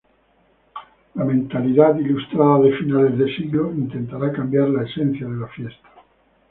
La mentalidad ilustrada de finales de siglo intentará cambiar la esencia de la fiesta.